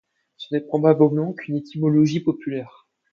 Ce n'est probablement qu'une étymologie populaire.